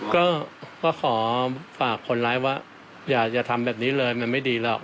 ก็ขอฝากคนร้ายว่าอย่าทำแบบนี้เลยมันไม่ดีหรอก